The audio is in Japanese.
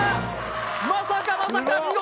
まさかまさか、見事！